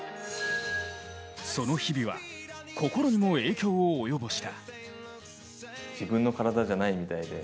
その日々は、心にも影響を及ぼした。